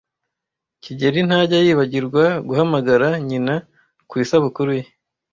kigeli ntajya yibagirwa guhamagara nyina ku isabukuru ye.